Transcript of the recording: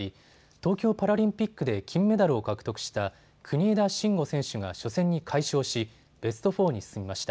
東京パラリンピックで金メダルを獲得した国枝慎吾選手が初戦に快勝し、ベスト４に進みました。